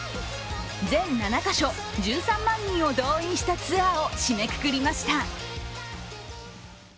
全７か所、１３万人を動員したツアーを締めくくりました。